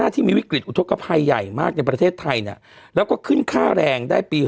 ที่มีวิกฤตอุทธกภัยใหญ่มากในประเทศไทยแล้วก็ขึ้นค่าแรงได้ปี๖๐